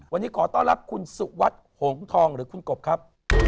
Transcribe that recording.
วันนี้ขอต้อนรับคุณสุวัสดิ์โหงทองหรือคุณกบครับ